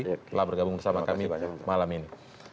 telah bergabung bersama kami malam ini